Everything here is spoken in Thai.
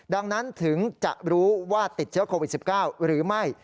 ดังนั้นถึงจะรู้ว่าติดเชื้อโควิด๑๙หรือไม่